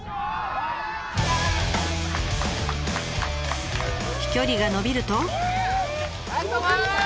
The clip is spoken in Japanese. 飛距離が伸びると。